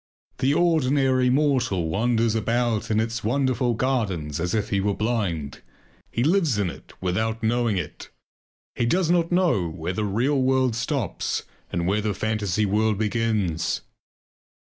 The ordinary mortal wanders about in its wonderful gardens as if he were blind; he lives in it without knowing it. He does not know where the real world stops and where the fantasy world begins.